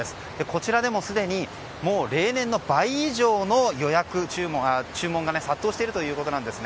こちらでもすでに例年の倍以上の注文が殺到しているということなんです。